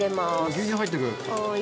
牛乳入ってく。